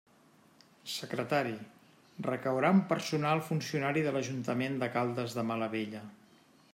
Secretari: recaurà en personal funcionari de l'Ajuntament de Caldes de Malavella.